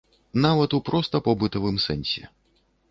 Нават у проста побытавым сэнсе.